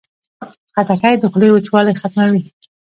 خټکۍ د خولې وچوالی ختموي.